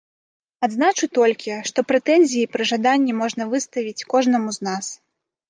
Адзначу толькі, што прэтэнзіі пры жаданні можна выставіць кожнаму з нас.